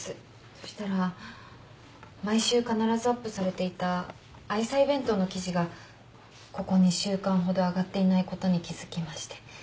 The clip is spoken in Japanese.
そしたら毎週必ずアップされていた愛妻弁当の記事がここ２週間ほど上がっていないことに気付きまして。